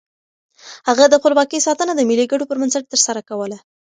هغه د خپلواکۍ ساتنه د ملي ګټو پر بنسټ ترسره کوله.